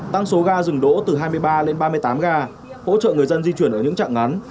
tăng số ga dừng đỗ từ hai mươi ba lên ba mươi tám ga hỗ trợ người dân di chuyển ở những trạng ngắn